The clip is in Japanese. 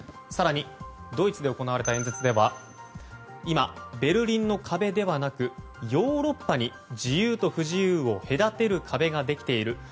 更に、ドイツでの演説では今、ベルリンの壁ではなくヨーロッパに自由と不自由を隔てる壁ができている。